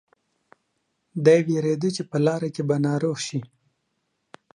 دی وېرېده چې په لاره کې به ناروغه شي.